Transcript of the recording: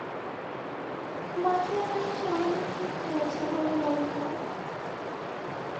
মাথায় হয়তো সামান্য চোট পেয়েছো বলে মনে হয়?